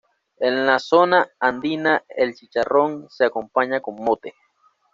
En la zona andina el chicharrón se acompaña con mote.